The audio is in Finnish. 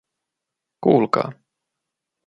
Kuulkaa.